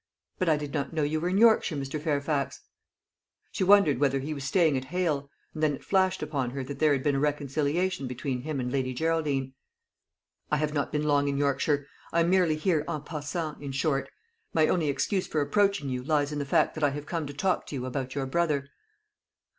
But I did not know you were in Yorkshire, Mr. Fairfax." She wondered whether he was staying at Hale; and then it flashed upon her that there had been a reconciliation between him and Lady Geraldine. "I have not been long in Yorkshire. I am merely here en passant, in short. My only excuse for approaching you lies in the fact that I have come to talk to you about your brother."